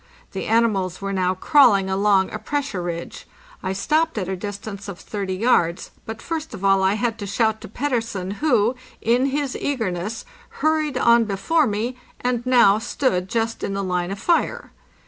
The animals were now crawling along a pressure ridge. I stopped at a distance of 30 yards, but first of all I had to shout to Pet tersen, who, in his eagerness, hurried on before me, and now stood just in the line of fire.